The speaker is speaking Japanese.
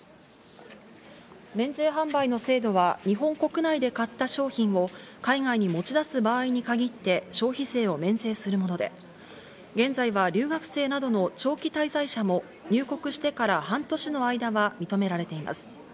免税販売の制度は日本国内で買った商品を海外に持ち出す場合に限って消費税を免税するもので、現在は留学生などの長期滞在者も入国してから半年の間は認められています。